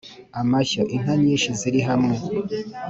amashyo:inka nyinshi ziri hamwe